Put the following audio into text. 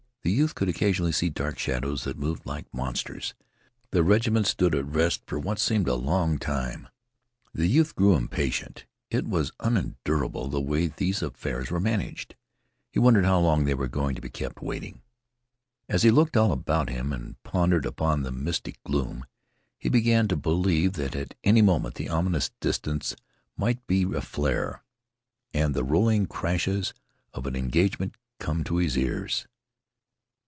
The youth could occasionally see dark shadows that moved like monsters. The regiment stood at rest for what seemed a long time. The youth grew impatient. It was unendurable the way these affairs were managed. He wondered how long they were to be kept waiting. As he looked all about him and pondered upon the mystic gloom, he began to believe that at any moment the ominous distance might be aflare, and the rolling crashes of an engagement come to his ears.